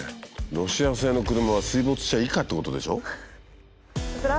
ロシア製の車は水没車以下ってことでしょ？